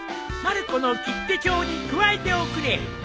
まる子の切手帳に加えておくれ。